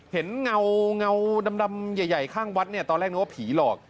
เห็นเงาดำใหญ่ข้างวัดตอนแรกนึกว่าผีหลอก